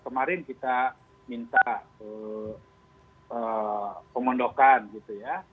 kemarin kita minta pengondokan gitu ya